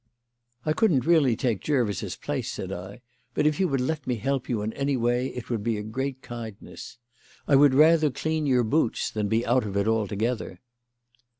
"I couldn't really take Jervis's place," said I, "but if you would let me help you in any way it would be a great kindness. I would rather clean your boots than be out of it altogether."